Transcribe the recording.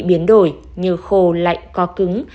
biến đổi như khô lạnh có cứng